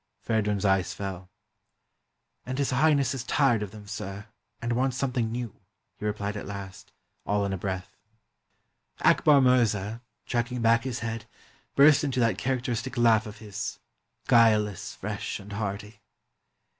Feridun's eyes fell. "And His Highness is tired of them, sir, and wants something new," he replied at last, all in a breath. Akbar Mirza, chucking back his head, burst into that characteristic laugh of his, guileless, fresh, and hearty.